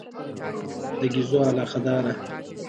د ګېزو علاقه داره.